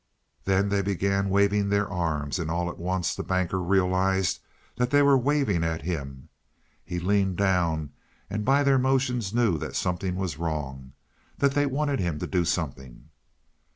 Then they began waving their arms, and all at once the Banker realized they were waving at him. He leaned down, and by their motions knew that something was wrong that they wanted him to do something.